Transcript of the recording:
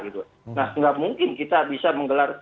nah nggak mungkin kita bisa menggelar